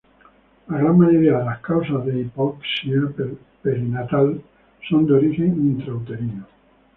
La gran mayoría de las causas de hipoxia perinatal son de origen intrauterino.